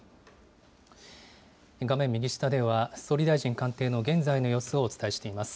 画面右下では、総理大臣官邸の現在の様子をお伝えしています。